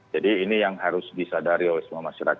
jadi ini yang harus disadari oleh semua masyarakat